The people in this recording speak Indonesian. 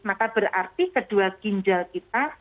maka berarti kedua ginjal kita